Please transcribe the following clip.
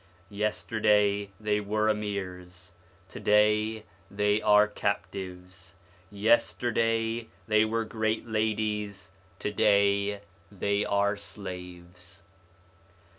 Yesterday they were Amirs, to day they are captives ; yesterday they were great ladies, to day they are slaves.